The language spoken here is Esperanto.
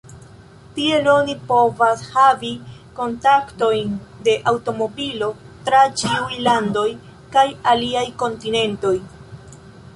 Tiel oni povas havi kontaktojn de aŭtomobilo tra ĉiuj landoj kaj aliaj kontinentoj.